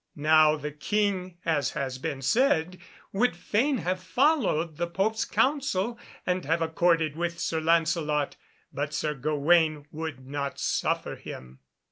Now, the King, as has been said, would fain have followed the Pope's counsel and have accorded with Sir Lancelot, but Sir Gawaine would not suffer him.